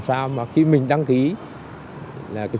sao mà khi mình đăng ký là cái